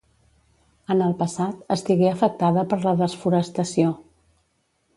En el passat, estigué afectada per la desforestació.